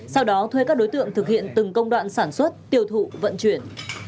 sau đó thuê các đối tượng thực hiện từng công đoạn sản xuất tiêu thụ vận chuyển